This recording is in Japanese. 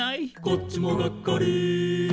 「こっちもがっかり」